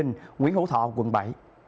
n breakup hay làm tiệc vượt ra